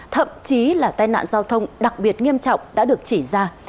thậm chí là tai nạn giao thông đặc biệt nghiêm trọng đã được chỉ ra